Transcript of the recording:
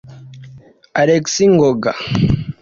Alex Ng’onga